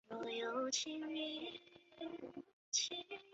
快车停靠的车站多数是端点站或主要转车点。